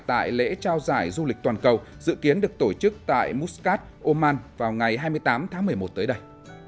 tại lễ trao giải du lịch toàn cầu dự kiến được tổ chức tại muscat oman vào ngày hai mươi tám tháng một mươi một tới đây